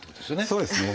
そうですね。